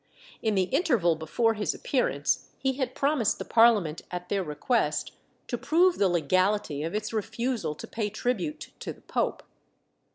In the interval before his appearance he had promised the Parliament, at their request, to prove the legality of its refusal to pay tribute to the Pope.